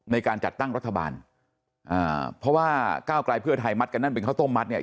ในการจัดตั้งรัฐบาลอ่าเพราะว่าก้าวกลายเพื่อไทยมัดกันนั่นเป็นข้าวต้มมัดเนี่ย